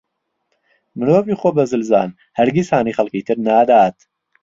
مرۆڤی خۆبەزلزان هەرگیز هانی خەڵکی تر نادات.